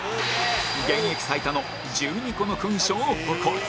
現役最多の１２個の勲章を誇る